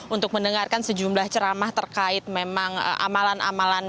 untuk mendengarkan sejumlah ceramah terkait memang amalan amalan